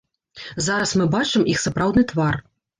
Зараз мы бачым іх сапраўдны твар.